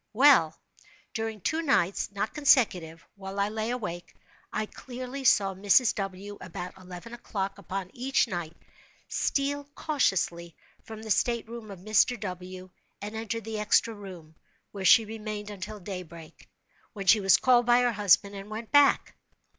Well, during two nights (not consecutive) while I lay awake, I clearly saw Mrs. W., about eleven o'clock upon each night, steal cautiously from the state room of Mr. W., and enter the extra room, where she remained until daybreak, when she was called by her husband and went back.